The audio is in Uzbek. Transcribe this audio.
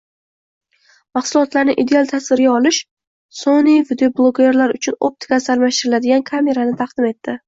“Mahsulotlarni ideal tasvirga olish”: Sony videoblogerlar uchun optikasi almashtiriladigan kamerani taqdim etdi